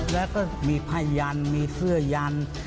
แล้วก็มีภัยยันตร์มีเสื้อยันตร์